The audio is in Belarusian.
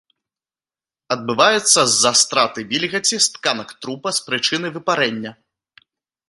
Адбываецца з-за страты вільгаці з тканак трупа з прычыны выпарэння.